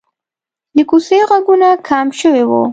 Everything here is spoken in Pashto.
د کوڅې غږونه کم شوي وو.